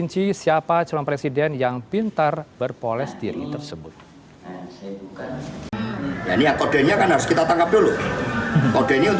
kunci siapa calon presiden yang pintar berpoles diri tersebut